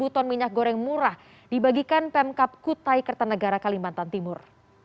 dua puluh ton minyak goreng murah dibagikan pemkap kutai kertanegara kalimantan timur